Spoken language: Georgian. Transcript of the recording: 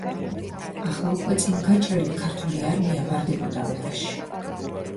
ახლა უკვე წინ გაჭრილი ქართული არმია ვარდებოდა ალყაში.